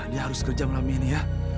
dia harus kerja malam ini ya